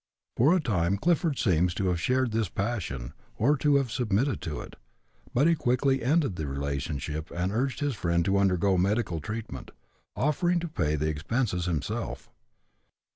For a time Clifford seems to have shared this passion, or to have submitted to it, but he quickly ended the relationship and urged his friend to undergo medical treatment, offering to pay the expenses himself.